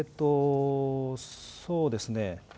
そうですね。